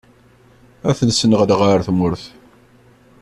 Ad ten-sneɣleɣ ɣer tmurt.